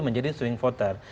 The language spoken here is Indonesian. menjadi swing voters